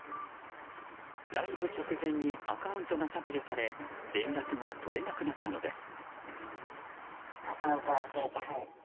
ライブ直前にアカウントが削除され連絡が取れなくなったのです。